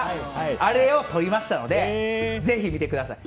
あれを撮りましたのでぜひ見てください。